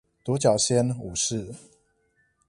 獨角仙武士